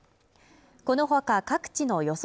このほか各地の予想